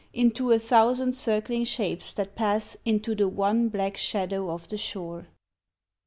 Into a thousand circling shapes that pass Into the one black shadow of the shore.